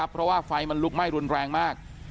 เพราะว่าไฟมันลุกไหม้รุนแรงมาก